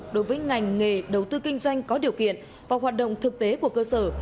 đối với ngành nghề đầu tư kinh doanh có điều kiện và hoạt động thực tế của cơ sở